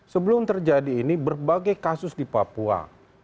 sebelum terjadi ini berbagai kasus di papua